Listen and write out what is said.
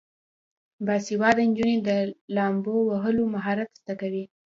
باسواده نجونې د لامبو وهلو مهارت زده کوي.